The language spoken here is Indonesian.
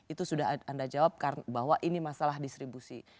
itu sudah anda jawab karena bahwa ini masalah distribusi